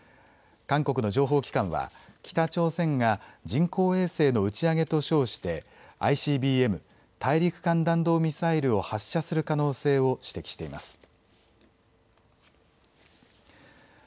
韓国の情報機関は北朝鮮が人工衛星の打ち上げと称してＩＣＢＭ・大陸間弾道ミサイルを発射する可能性を指摘しています。